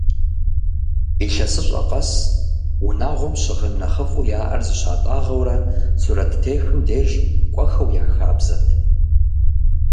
Илъэсыщӏэ къэс унагъуэм щыгъын нэхъыфӏу яӏэр зыщатӏагъэурэ, сурэттехым деж кӏуэхэу я хабзэт.